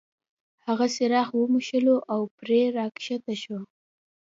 هغه څراغ وموښلو او پیری را ښکاره شو.